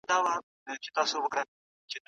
استازي چیري نړیوالي غونډي تنظیموي؟